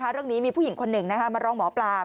เรื่องนี้มีผู้หญิงคนหนึ่งมาร้องหมอปลา